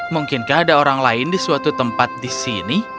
mungkinkah ada orang lain di suatu tempat di sini